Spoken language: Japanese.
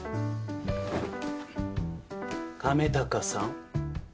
亀高さん。